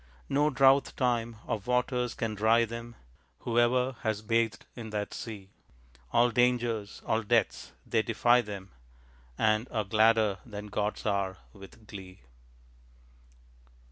No drouth time of waters can dry them. Whoever has bathed in that sea, All dangers, all deaths, they defy them, And are gladder than gods are, with glee.